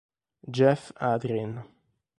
Jeff Adrien